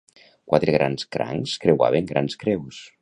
Quatre grans crancs creuaven grans creus.